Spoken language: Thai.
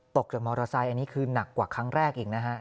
ตกจากมอเตอร์ไซค์อันนี้คือหนักกว่าครั้งแรกอีกนะฮะ